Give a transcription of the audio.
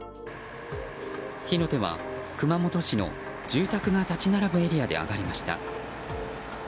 火の手は熊本市の住宅が立ち並ぶエリアで上がりました。